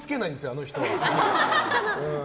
あの人はね。